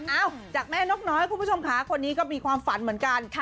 จากแม่นกน้อยคุณผู้ชมค่ะคนนี้ก็มีความฝันเหมือนกัน